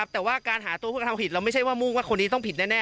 แต่ว่าการหาตัวผู้กระทำผิดเราไม่ใช่ว่ามุ่งว่าคนนี้ต้องผิดแน่